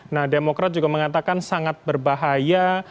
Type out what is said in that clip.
nah demokrat juga mengatakan sangat berbahaya